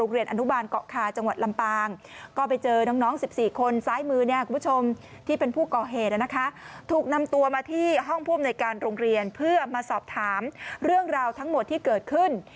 เรื่องราวทั้งหมดที่เกิดขึ้น